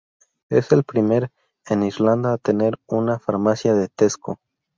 Es el primer en Irlanda a tener una farmacia de Tesco.